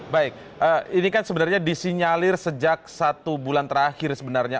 baik ini kan sebenarnya disinyalir sejak satu bulan terakhir sebenarnya